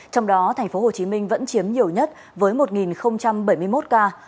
trong đó tp hcm vẫn chiếm nhiều nhất với một bảy mươi một ca